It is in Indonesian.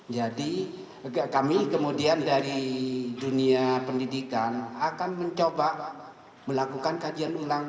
jadi kami kemudian dari dunia pendidikan akan mencoba melakukan kajian ulang